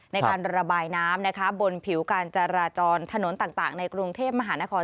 ในการระบายน้ำนะคะบนผิวการจราจรถนนต่างในกรุงเทพมหานคร